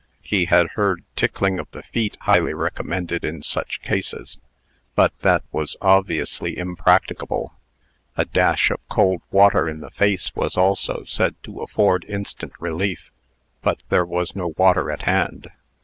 He had heard tickling of the feet highly recommended in such cases; but that was obviously impracticable. A dash of cold water in the face was also said to afford instant relief; but there was no water at hand.